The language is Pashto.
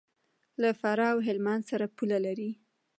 له فراه او هلمند سره پوله لري.